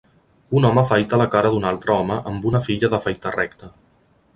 Un home afaita la cara d'un altre home amb una filla d'afaitar recta.